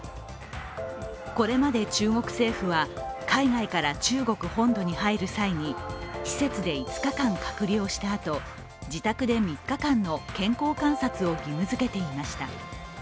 これまで中国政府は海外から中国本土に入る際に施設で５日間隔離をしたあと自宅で３日間の健康観察を義務づけていました。